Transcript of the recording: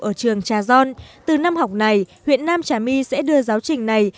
ở trường trà gion từ năm học này huyện nam trà my sẽ đưa giáo trình này